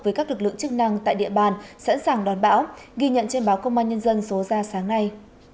với các lực lượng chức năng tại địa bàn sẵn sàng đón bão ghi nhận trên báo công an nhân dân số ra sáng nay